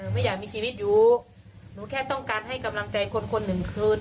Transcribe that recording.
ไม่อยากมีชีวิตอยู่หนูแค่ต้องการให้กำลังใจคนคนหนึ่งคืน